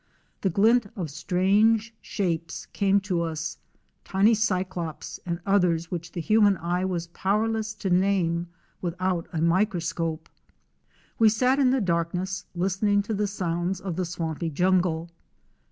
The glint of strange shapes came to us — tiny Cyclops and others which the human eye was powerless to name without a microscope. We sat in the darkness listening to the sounds of the swampy jungle.